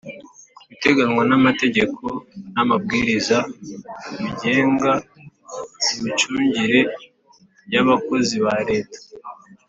kubiteganywa n amategeko n amabwiriza bigenga imicungire y Abakozi ba Leta